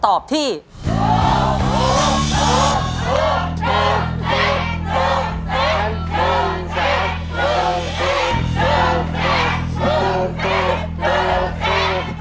ขอบคุณครับ